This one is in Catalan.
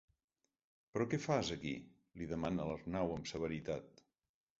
Però què fas, aquí? —li demana l'Arnau amb severitat.